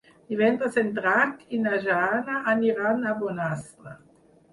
Divendres en Drac i na Jana aniran a Bonastre.